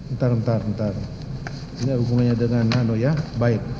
ntar ntar ntar ini hubungannya dengan nano ya baik